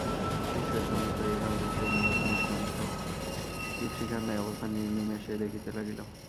শিষ্য স্তম্ভিত হইয়া স্বামীজীর সেই নিবাত নিষ্কম্প দীপশিখার ন্যায় অবস্থান নির্নিমেষে দেখিতে লাগিল।